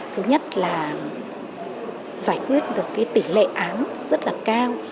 thứ nhất là giải quyết được cái tỷ lệ án rất là cao